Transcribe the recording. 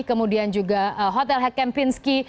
kemudian juga hotel hekempinski